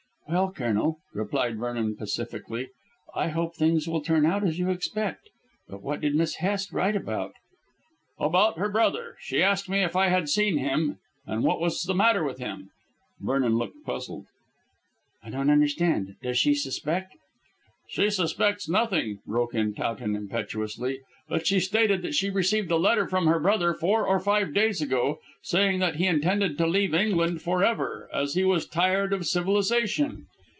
"Well, Colonel," replied Vernon pacifically, "I hope things will turn out as you expect. But what did Miss Hest write about?" "About her brother. She asked me if I had seen him, and what was the matter with him." Vernon looked puzzled. "I don't understand. Does she suspect " "She suspects nothing," broke in Towton impetuously. "But she stated that she had received a letter from her brother four or five days ago saying that he intended to leave England for ever, as he was tired of civilisation.